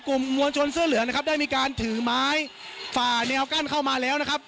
กลุ่มมวลชนเสื้อเหลืองนะครับได้มีการถือไม้ฝ่าแนวกั้นเข้ามาแล้วนะครับ